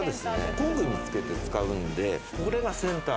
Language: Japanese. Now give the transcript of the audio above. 工具に付けて使うんでこれがセンター。